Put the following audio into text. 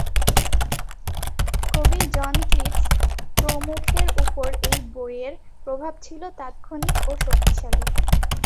কবি জন কিটস প্রমুখের উপর এই বইয়ের প্রভাব ছিল তাৎক্ষণিক ও শক্তিশালী।